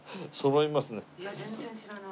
いや全然知らない。